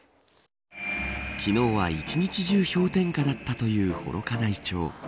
昨日は一日中氷点下だったという幌加内町。